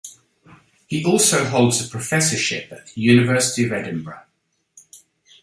He also holds a professorship at the University of Edinburgh.